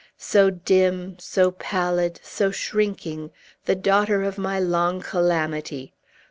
So dim, so pallid, so shrinking, the daughter of my long calamity!